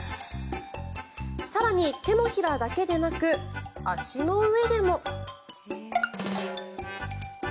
更に、手のひらだけでなく足の上でも。